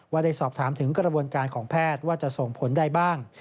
ได้สอบถามถึงกระบวนการของแพทย์ว่าจะส่งผลใดบ้าง